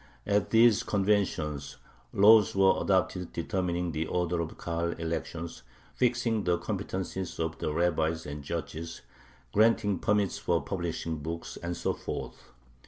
At these conventions laws were adopted determining the order of Kahal elections, fixing the competency of the rabbis and judges, granting permits for publishing books, and so forth.